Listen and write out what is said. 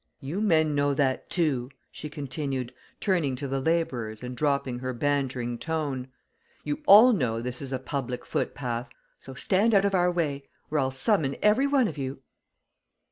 You men know that, too," she continued, turning to the labourers and dropping her bantering tone. "You all know this is a public footpath. So stand out of our way, or I'll summon every one of you!"